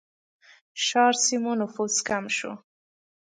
ښاري سیمو نفوس کم شو.